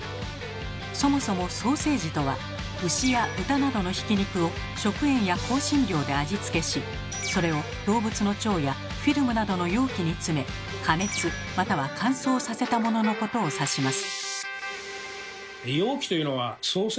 そもそもソーセージとは牛や豚などのひき肉を食塩や香辛料で味付けしそれを動物の腸やフィルムなどの容器に詰め加熱または乾燥させたもののことを指します。